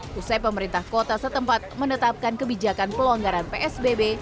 pusat pemerintah kota setempat menetapkan kebijakan pelonggaran psbb